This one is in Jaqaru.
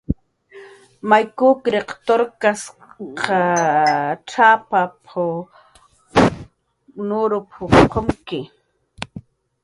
"May kukriq turkasn cx""ap""panw nurup"" qumwata."